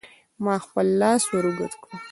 ما خپل لاس ور اوږد کړ.